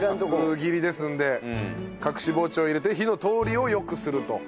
厚切りですので隠し包丁を入れて火の通りをよくすると。